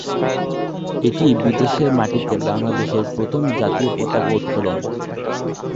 এটিই বিদেশের মাটিতে বাংলাদেশের প্রথম জাতীয় পতাকা উত্তোলন।